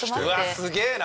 すげえな！